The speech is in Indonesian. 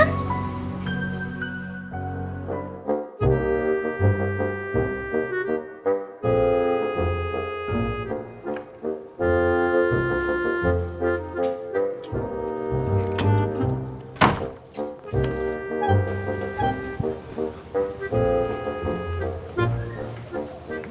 aku liat rumahnya kan